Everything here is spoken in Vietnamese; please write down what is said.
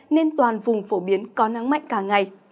nên toàn vùng phổ biến có nắng mạnh cả ngày